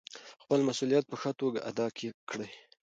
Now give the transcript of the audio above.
خپل مسوولیت په ښه توګه ادا کړئ.